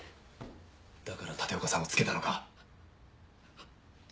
だから立岡さんをつけたのか？